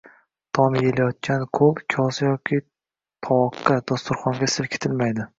Taom yeyilayotgan qo‘l kosa yoki tovoqqa, dasturxonga silkitilmaydi.